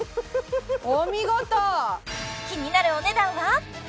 お見事気になるお値段は？